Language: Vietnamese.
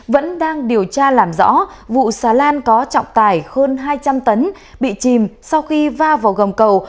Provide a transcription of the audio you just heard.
vẫn đang điều tra làm rõ vụ xà lan có trọng tải hơn hai trăm linh tấn bị chìm sau khi va vào gầm cầu